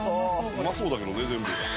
うまそうだけどね全部。